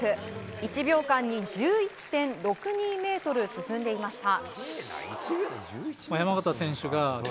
１秒間に１１．６２ｍ進んでいました。